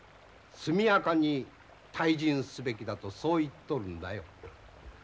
速やかに退陣すべきだとそう言っとるんだよ。